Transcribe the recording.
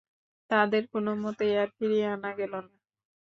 তাদের কোনোমতেই আর ফিরিয়ে আনা গেল না।